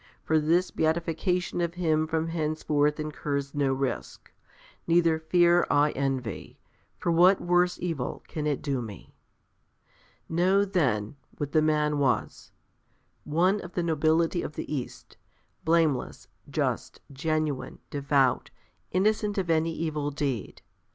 For this beatification of him from henceforth incurs no risk. Neither fear I Envy; for what worse evil can it do me? Know, then, what the man was; one of the nobility of the East, blameless, just, genuine, devout, innocent of any evil deed.